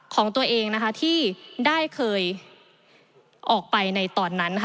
ของตัวเองนะคะที่ได้เคยออกไปในตอนนั้นนะคะ